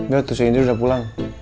tuh tuh si indri udah pulang